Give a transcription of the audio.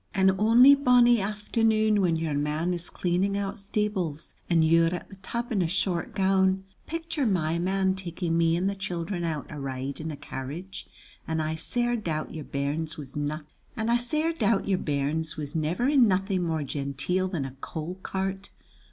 And ony bonny afternoon when your man is cleaning out stables and you're at the tub in a short gown, picture my man taking me and the children out a ride in a carriage, and I sair doubt your bairns was never in nothing more genteel than a coal cart.